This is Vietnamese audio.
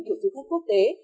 của du lịch quốc tế